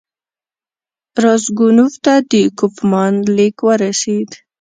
راسګونوف ته د کوفمان لیک ورسېد.